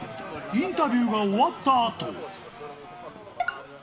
インタビューが終わったあと。